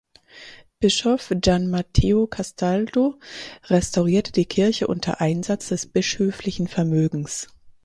Bischof Gian Matteo Castaldo restaurierte die Kirche unter Einsatz des bischöflichen Vermögens.